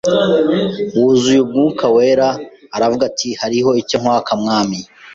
wuzuye umwuka wera aravuga ati hariho icyo nkwaka mwami